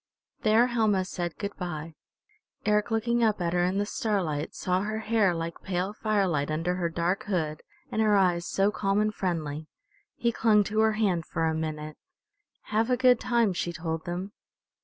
There Helma said good by. Eric looking up at her in the starlight saw her hair like pale firelight under her dark hood and her eyes so calm and friendly. He clung to her hand for a minute. "Have a good time," she told them.